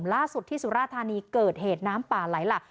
ล่าสุดที่สุราธานีเกิดเหตุน้ำป่าไหลหลัก